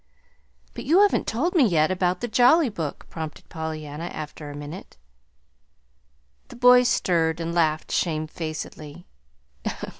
"But you haven't told me yet about the Jolly Book," prompted Pollyanna, after a minute. The boy stirred and laughed shamefacedly.